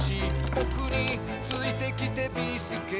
「ぼくについてきてビーすけ」